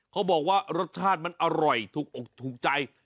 เขาบอกว่ารสชาติมันอร่อยถูกอกถูกใจ